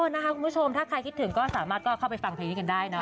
นะคะคุณผู้ชมถ้าใครคิดถึงก็สามารถก็เข้าไปฟังเพลงนี้กันได้เนอ